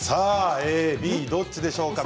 ＡＢどちらでしょうか。